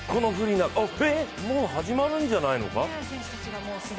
もう始まるんじゃないの？